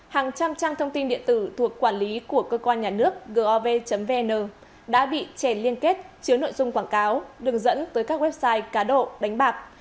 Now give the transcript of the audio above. hàng trăm trang thông tin điện tử thuộc quản lý của cơ quan nhà nước gov vn đã bị chèn liên kết chứa nội dung quảng cáo đường dẫn tới các website cá độ đánh bạc